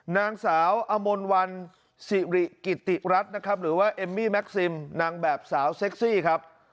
นางสาวอมลวันสิริกิติรัฐนะครับหรือว่าเอมมี่แม็กซิมนางแบบสาวเซ็กซี่ครับ